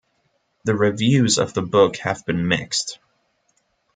The reviews of the book have been mixed.